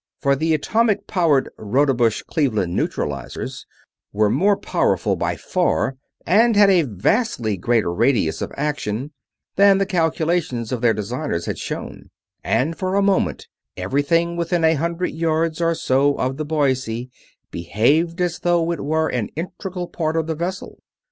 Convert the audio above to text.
For the atomic powered "Rodebush Cleveland" neutralizers were more powerful by far, and had a vastly greater radius of action, than the calculations of their designers had shown; and for a moment everything within a hundred yards or so of the Boise behaved as though it were an integral part of the vessel.